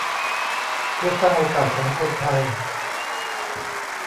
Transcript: เพื่อสร้างโอกาสของคนไทย